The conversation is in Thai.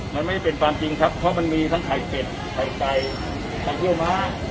มันไม่เป็นความจริงครับเพราะมันมีทั้งไข่เป็ดไข่ไก่ไข่เคี่ยวม้า